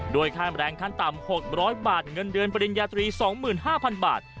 ด้วยค่าแรงคันต่ำหกร้อยบาทเงินเดือนปริญญาตรีสองหมื่นห้าพันบาท